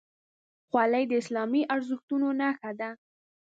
خولۍ د اسلامي ارزښتونو نښه ده.